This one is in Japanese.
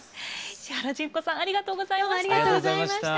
石原詢子さんありがとうございました。